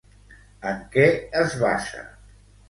En què es basa?